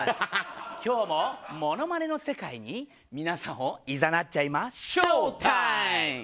今日もモノマネの世界に皆さんをいざなっちゃいまショータイム！